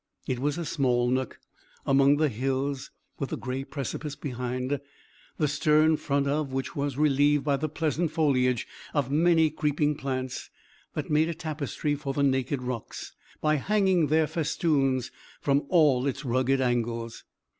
It was a small nook among the hills, with a gray precipice behind, the stern front of which was relieved by the pleasant foliage of many creeping plants, that made a tapestry for the naked rocks, by hanging their festoons from all its rugged angles.